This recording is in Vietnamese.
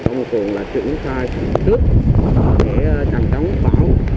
các bộ chiến sĩ công phường trực hoàn toàn là một trăm linh